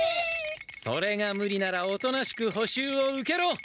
それがむりならおとなしく補習を受けろ！